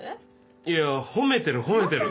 いや褒めてる褒めてる。